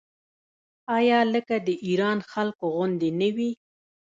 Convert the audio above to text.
آیا لکه د ایران خلکو غوندې نه وي؟